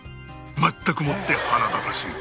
まったくもって腹立たしい